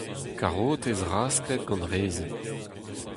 Karotez rasklet gant rezin.